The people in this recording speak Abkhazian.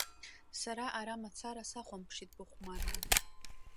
Сара ара мацара сахәамԥшит быхәмарра.